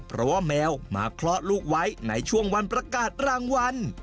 เพราะว่าแมวมาเคราะห์ลูกไว้ในช่วงวันประกาศรางวัล